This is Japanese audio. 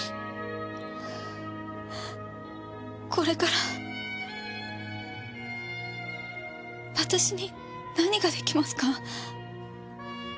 これから私に何が出来ますか？